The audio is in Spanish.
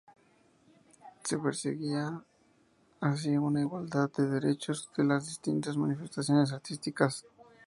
Se perseguía así una "igualdad de derechos" de las distintas manifestaciones artísticas.